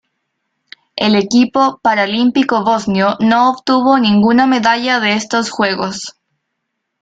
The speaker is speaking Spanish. El equipo paralímpico bosnio no obtuvo ninguna medalla en estos Juegos.